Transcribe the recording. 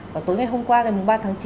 và tối ngày hôm qua ngày ba tháng chín